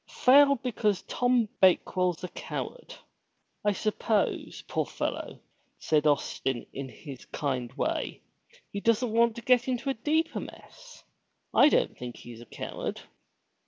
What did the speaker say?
"Failed because Tom Bakewell's a coward!" "I suppose, poor fellow," said Austin in his kind way, "he doesn't want to get into a deeper mess. I don't think he's a coward."